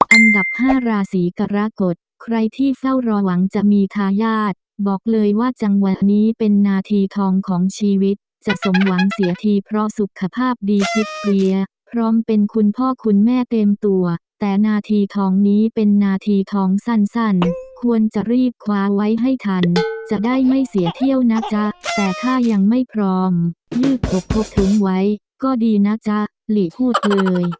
อันดับ๕ราศีกรกฎใครที่เฝ้าระวังจะมีทายาทบอกเลยว่าจังหวัดนี้เป็นนาทีทองของชีวิตจะสมหวังเสียทีเพราะสุขภาพดีคิดเพลียพร้อมเป็นคุณพ่อคุณแม่เต็มตัวแต่นาทีทองนี้เป็นนาทีทองสั้นควรจะรีบคว้าไว้ให้ทันจะได้ไม่เสียเที่ยวนะจ๊ะแต่ถ้ายังไม่พร้อมยืดอกคบถึงไว้ก็ดีนะจ๊ะหลีพูดเลย